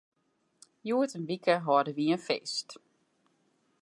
Hjoed in wike hâlde wy in feest.